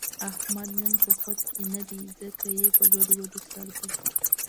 احمد نن په خود کې نه دی، ځکه یې په ګډوډو سر دی.